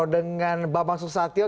dan bapak soekarno satio